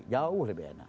jauh lebih enak